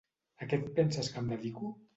A què et penses que em dedico?